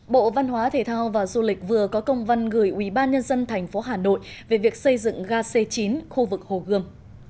bộ văn hóa thể thao và du lịch vừa có công văn gửi ubnd tp hà nội về việc xây dựng ga c chín khu vực hồ gươm